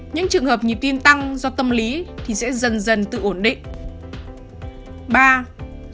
những trường hợp nhịp tim tăng do tâm lý thì sẽ dần dần tự ổn định